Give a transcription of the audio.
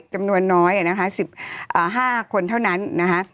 จำนวนน้อยนะคะ๑๕คนเท่านั้นนะคะ